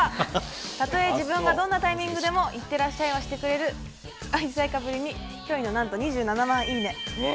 たとえ自分がどんなタイミングでもいってらっしゃいはしてくれる愛妻家ぶりに驚異の何と２７万いいね！